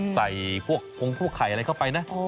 ใส่พวกไข่อะไรเข้าไปนะ